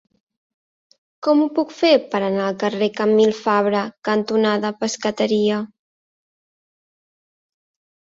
Com ho puc fer per anar al carrer Camil Fabra cantonada Pescateria?